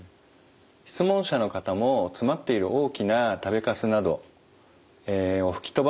質問者の方も詰まっている大きな食べかすなど吹き飛ばすためにですね